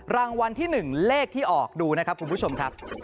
รางวัลที่๑เลขที่ออกดูนะครับคุณผู้ชมครับ